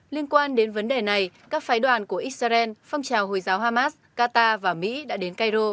liên quan đến vấn đề này các phái đoàn của israel phong trào hồi giáo hamas qatar và mỹ đã đến cairo